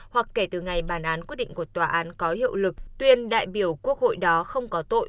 hoặc kể từ ngày bản án quyết định của tòa án có hiệu lực tuyên đại biểu quốc hội đó không có tội